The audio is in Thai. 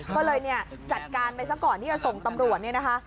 ก็เลยจัดการไปสักก่อนที่จะส่งตำรวจ